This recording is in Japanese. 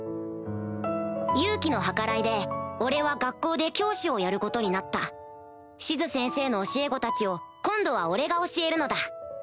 ユウキの計らいで俺は学校で教師をやることになったシズ先生の教え子たちを今度は俺が教えるのだ